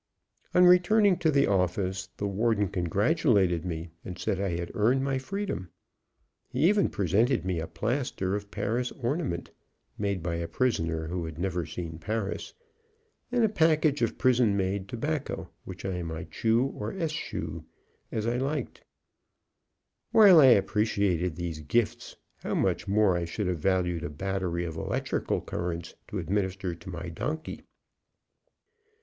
On returning to the office the warden congratulated me, and said I had earned my freedom. He even presented me a plaster of Paris ornament, made by a prisoner who had never seen Paris, and a package of prison made tobacco, which I might chew, or eschew, as I liked. While I appreciated these gifts, how much more I should have valued a battery of electrical currents to administer to my donkey.